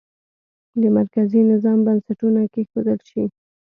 د مرکزي نظام بنسټونه کېښودل شي.